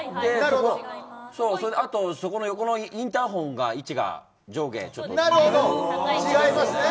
あと横のインターホンが位置が上下ちょっと違う。